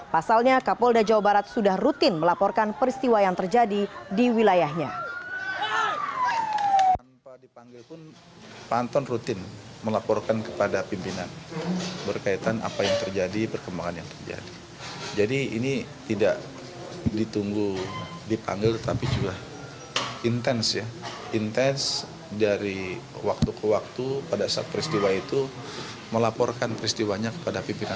pasalnya kapolda jawa barat sudah rutin melaporkan peristiwa yang terjadi di wilayahnya